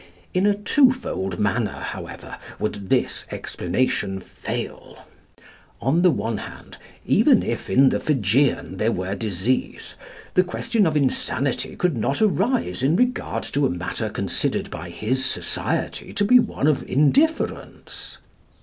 In a twofold manner, however, would this explanation fail. On the one hand, even if in the Fijian there were disease, the question of insanity could not arise in regard to a matter considered by his society to be one of indifference.